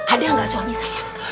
ada gak suami saya